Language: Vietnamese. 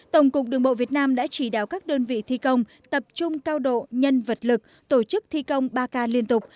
tổng cục đường bộ việt nam đã chỉ đạo các đơn vị thi công tập trung cao độ nhân vật lực tổ chức thi công ba k liên tục